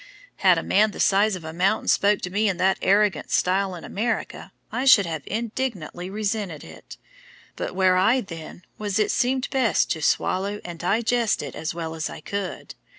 "Had a man the size of a mountain spoken to me in that arrogant style in America, I should have indignantly resented it; but where I then was it seemed best to swallow and digest it as well as I could.